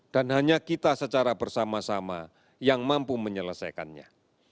dan hanya kita secara bersama sama yang mampu menyelesaikannya